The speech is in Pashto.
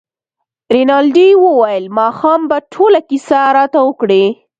رینالډي وویل ماښام به ټوله کیسه راته وکړې.